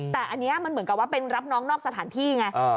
แต่อันนี้มันเหมือนกับว่าเป็นรับน้องนอกสถานที่ไง